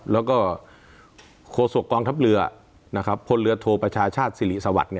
แล้วก็โฆษกองทัพเรือพลโทประชาชาติศิริสวรรค์